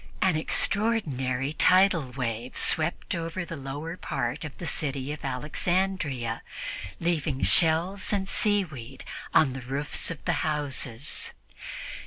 An extraordinary tidal wave swept over the lower part of the city of Alexandria, leaving shells and seaweed on the roofs of the houses.